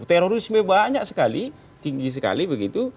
terorisme banyak sekali tinggi sekali begitu